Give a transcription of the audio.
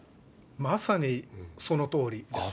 まさにそのとおりですね。